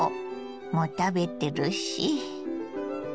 もう食べてるし。